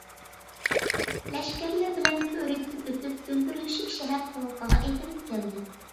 لەشكەرلىرى بىلەن كۆۋرۈكتىن ئۆتۈپ، گۈلدۈرلىشىپ شەھەر قوۋۇقىغا ئېتىلىپ كەلدى.